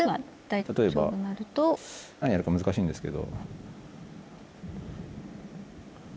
例えばいや何やるか難しいんですけど。